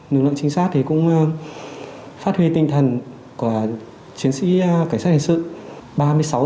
lực lượng chính xác thì cũng phát huy tinh thần của chiến sĩ cảnh sát hành sự